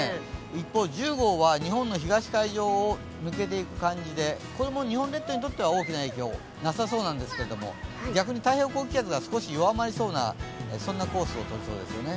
一方１０号は日本の東海上を抜けていく感じでこれも日本列島にとっては大きな影響がなさそうなんですけど、逆に太平洋高気圧が少し弱まりそうなコースをとりそうですね。